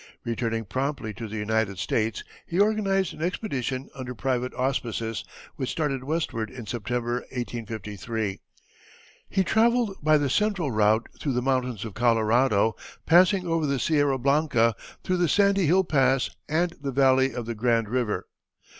Returning promptly to the United States he organized an expedition under private auspices, which started westward in September, 1853. He travelled by the central route through the mountains of Colorado, passing over the Sierra Blanca, through the Sandy Hill Pass and the valley of the Grand River.